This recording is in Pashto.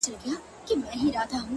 د سر په سترگو چي هغه وينمه!!